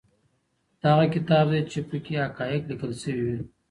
دا هغه کتاب دی چي په کي حقایق لیکل سوي دي.